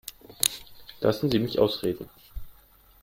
Lassen Sie mich ausreden.